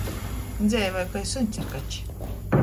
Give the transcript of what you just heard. Dzeivoj kai suņs ar kači.